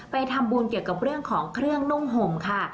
ไปทำบุญเกี่ยวกับเรื่องของเครื่องนุ่งห่มค่ะ